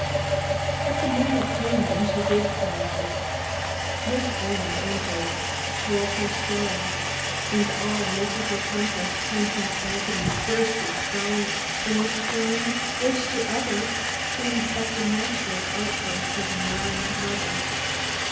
But the moment came when she did cry out. Miss Graham entered, told her story, and all Mrs. Ocumpaugh's pent up agony burst its bounds in a scream which to others seemed but the natural outburst of an alarmed mother.